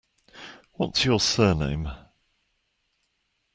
What's your surname?